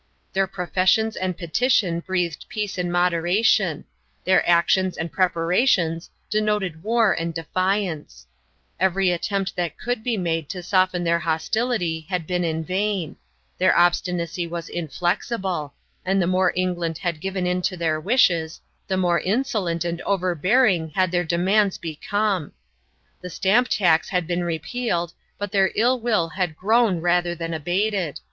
Their professions and petition breathed peace and moderation; their actions and preparations denoted war and defiance; every attempt that could be made to soften their hostility had been in vain; their obstinacy was inflexible; and the more England had given in to their wishes, the more insolent and overbearing had their demands become. The stamp tax had been repealed, but their ill will had grown rather than abated.